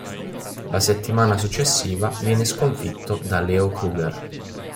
La settimana successiva viene sconfitto da Leo Kruger.